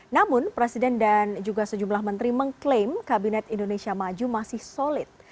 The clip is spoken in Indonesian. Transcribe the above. namun presiden dan juga sejumlah menteri mengklaim kabinet indonesia maju masih solid